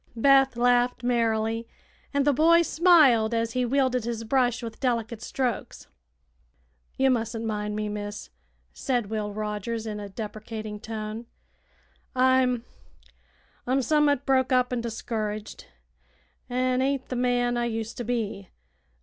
Beth laughed merrily, and the boy smiled as he wielded his brush with delicate strokes. "Ye mustn't mind me, miss," said Will Rogers, in a deprecating tone. "I'm I'm sommut broke up an' discouraged, an' ain't th' man I used to be.